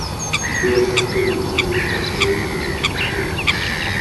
Tura faqen belli taqbaylit d tutlayt.